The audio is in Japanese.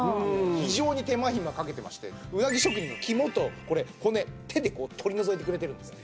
非常に手間暇かけてましてうなぎ職人が肝とこれ骨手でこう取り除いてくれてるんですよ。